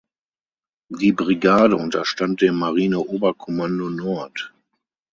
Die Brigade unterstand dem Marineoberkommando Nord.